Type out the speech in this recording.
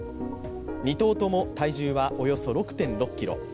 ２頭とも体重はおよそ６．６ｋｇ。